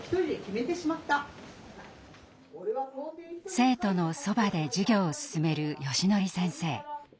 生徒のそばで授業を進めるよしのり先生。